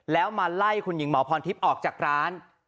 แล้วมาไล่คุณหญิงหมอพรทิพย์ออกจากร้าน